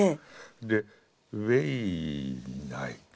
で「ウエインナイ」。